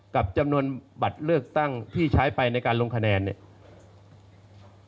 กับจำนวนบัตรเลือกตั้งที่ใช้ไปในการลงคะแนนเนี่ย